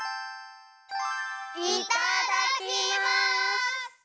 いただきます！